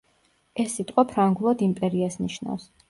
ეს სიტყვა ფრანგულად იმპერიას ნიშნავს.